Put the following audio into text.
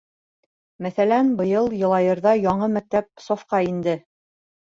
Мәҫәлән, быйыл Йылайырҙа яңы мәктәп сафҡа инде.